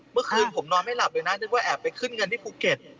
เมื่อคืนผมนอนไม่หลับเลยนะนึกว่าแอบไปขึ้นเงินที่ภูเก็ต